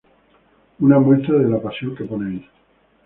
una muestra de la pasión que ponéis